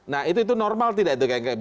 nah itu normal tidak